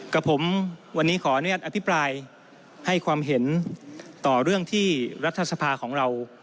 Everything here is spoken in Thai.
กับผมวันนี้ขออนุญาตอภิปรายให้ความเห็นต่อเรื่องที่รัฐสภาของเรา